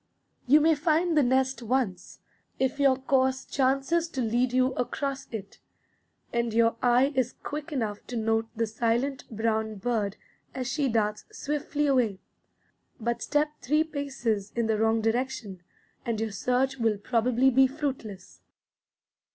You may find the nest once, if your course chances to lead you across it, and your eye is quick enough to note the silent brown bird as she darts swiftly away; but step three paces in the wrong direction, and your search will probably be fruitless.